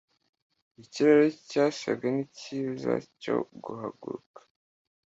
Ikirere cyasaga nkicyiza cyo guhaguruka.